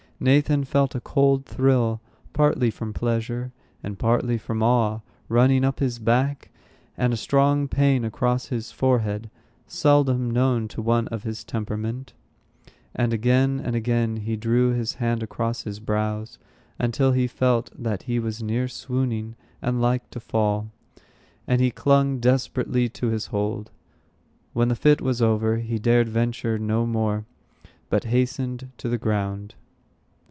Nathan felt a cold thrill, partly from pleasure, and partly from awe, running up his back, and a strong pain across his forehead, seldom known to one of his temperament. Again and again he drew his hand across his brows, until he felt that he was near swooning, and like to fall; and he clung desperately to his hold. When the fit was over, he dared venture no more, but hastened to the ground.